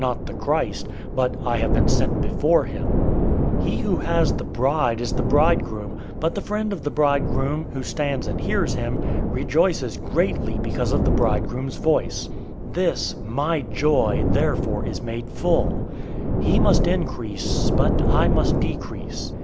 003:029 He who has the bride is the bridegroom; but the friend of the bridegroom, who stands and hears him, rejoices greatly because of the bridegroom's voice. This, my joy, therefore is made full. 003:030 He must increase, but I must decrease.